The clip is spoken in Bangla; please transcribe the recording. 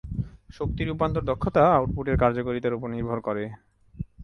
শক্তি রূপান্তর দক্ষতা আউটপুট এর কার্যকারিতার উপর নির্ভর করে।